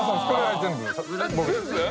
全部？